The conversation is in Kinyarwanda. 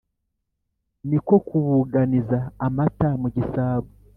niko kubuganiza amata mu gisabo,